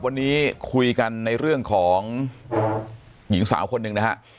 วันนี้คุยกันในเรื่องของหญิงสาวคนหนึ่งนะฮะ